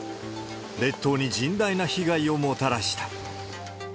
列島に甚大な被害をもたらした。